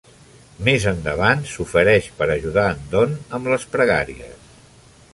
Més endavant s'ofereix per ajudar en Don amb les pregàries.